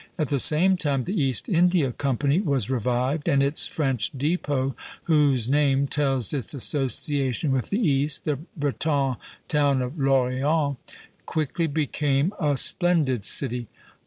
At the same time the East India Company was revived, and its French depot, whose name tells its association with the East, the Breton town of L'Orient, quickly became a splendid city.